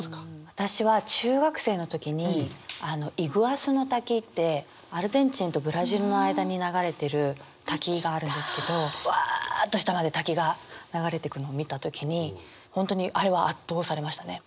私は中学生の時にイグアスの滝ってアルゼンチンとブラジルの間に流れてる滝があるんですけどわあっと下まで滝が流れてくのを見た時に本当にあれは圧倒されましたね。